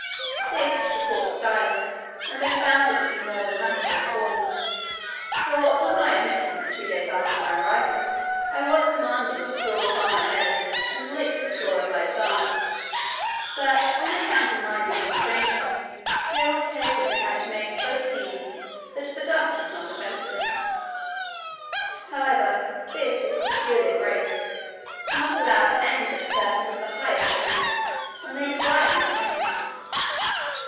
This is the court style, and I found it to be more than matter of form: for, upon my admittance two days after my arrival, I was commanded to crawl upon my belly, and lick the floor as I advanced; but, on account of my being a stranger, care was taken to have it made so clean, that the dust was not offensive. However, this was a peculiar grace, not allowed to any but persons of the highest rank, when they desire an admittance.